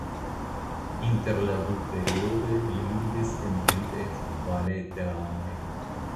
Inter la du periodoj li ludis en britaj futbalaj teamoj.